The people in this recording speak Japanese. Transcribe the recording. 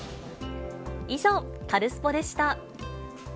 以上、カルスポっ！でした。